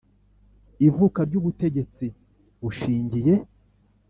ivuka ry ubutegetsi bushingiye